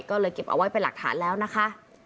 ก็เลยเก็บเอาไว้เป็นหลักฐานแล้วนะคะ